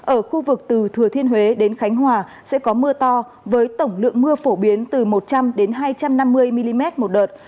ở khu vực từ thừa thiên huế đến khánh hòa sẽ có mưa to với tổng lượng mưa phổ biến từ một trăm linh hai trăm năm mươi mm một đợt